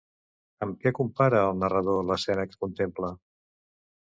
Amb què compara el narrador l'escena que contempla?